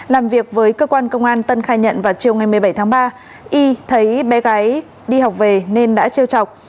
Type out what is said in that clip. làm việc với cơ quan công an tân khai nhận vào chiều ngày một mươi bảy tháng ba y thấy bé gái đi học về nên đã treo chọc